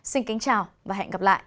xin kính chào và hẹn gặp lại